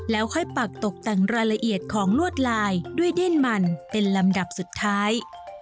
แล้วค่อยปักตกแต่งรายละเอียดของลวดลายด้วยเด้นมันเป็นลำดับสุดท้าย